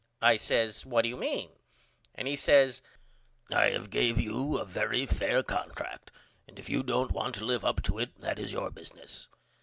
I says What do you mean? And he says I have gave you a very fare contract and if you don't want to live up to it that is your business.